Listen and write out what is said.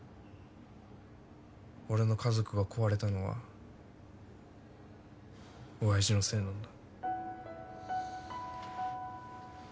俺の家族が壊れたのは親父のせいなんだ。